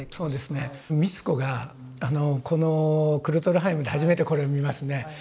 美津子がこのクルトゥルハイムで初めてこれを見ますね。